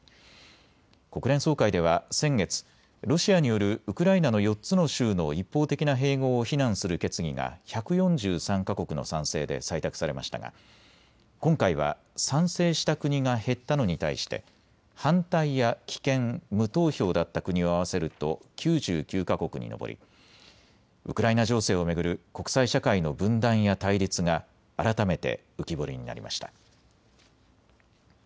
国連総会では先月、ロシアによるウクライナの４つの州の一方的な併合を非難する決議が１４３か国の賛成で採択されましたが今回は賛成した国が減ったのに対して反対や棄権、無投票だった国を合わせると９９か国に上り、ウクライナ情勢を巡る国際社会の分断や対立が改めて浮き彫りになりました。